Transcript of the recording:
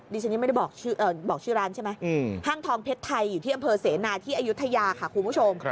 ฉันยังไม่ได้บอกชื่อร้านใช่ไหมห้างทองเพชรไทยอยู่ที่อำเภอเสนาที่อายุทยาค่ะคุณผู้ชม